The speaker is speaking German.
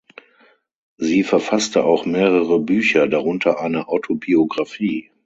Sie verfasste auch mehrere Bücher, darunter eine Autobiographie.